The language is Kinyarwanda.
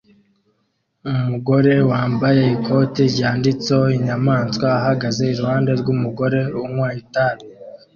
Umugore wambaye ikote ryanditseho inyamaswa ahagaze iruhande rwumugore unywa itabi